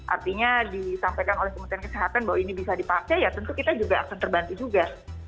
artinya disampaikan oleh kementerian kesehatan bahwa ini bisa dipakai ya tentu kita juga akan terbantu juga